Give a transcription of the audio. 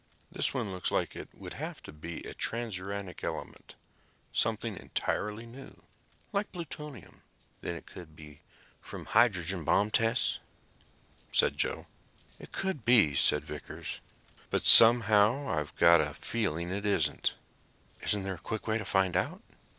This one looks like it would have to be a transuranic element, something entirely new, like plutonium." "Then it could be from the hydrogen bomb tests," said Joe. "It could be," said Vickers, "but somehow I've got a feeling it isn't." "Isn't there a quick way to find out?"